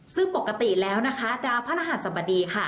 ซึ่งปกติแล้วนะคะดาวพระรหัสสบดีค่ะ